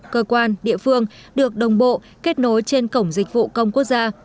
cơ quan địa phương được đồng bộ kết nối trên cổng dịch vụ công quốc gia